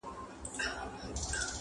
ذخیرې مي کړلې ډیري شین زمری پر جنګېدمه،